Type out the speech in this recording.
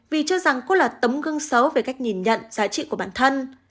vì cho rằng cô là tấm gương xấu về cách nhìn nhận giá trị của bản thân